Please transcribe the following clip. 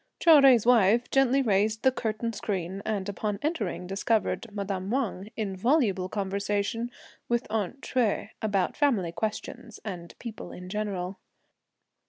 Chou Jui's wife gently raised the curtain screen, and upon entering discovered madame Wang, in voluble conversation with "aunt" Hsüeh, about family questions and people in general.